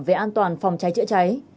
về an toàn phòng cháy chữa cháy